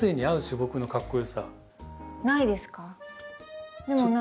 ないですか？